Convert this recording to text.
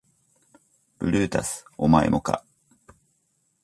ブルータスお前もか